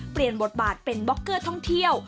เปลี่ยนบทบาทเป็นบ็อกเกอร์ท่องเที่ยว